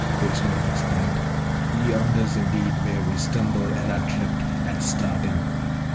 Feshnavat exclaimed, 'Yonder 's indeed where we stumble and are tripped at starting.'